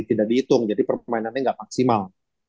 tidak dihitung jadi permainannya nggak maksimal